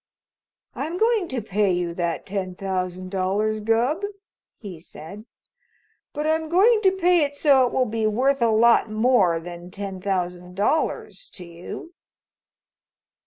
"I'm going to pay you that ten thousand dollars, Gubb," he said, "but I'm going to pay it so it will be worth a lot more than ten thousand dollars to you."